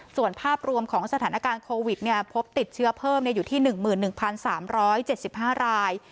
ส่วนภาพรวมของสถานการณ์โควิดเนี่ยพบติดเชื้อเพิ่มเนี่ยอยู่ที่หนึ่งหมื่นหนึ่งพันสามร้อยเจ็ดสิบห้าราย